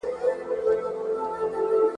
ښخ په خپلو هدیرو یم